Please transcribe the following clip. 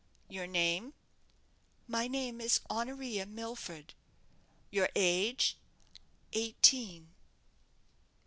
"Your name?" "My name is Honoria Milford." "Your age?" "Eighteen."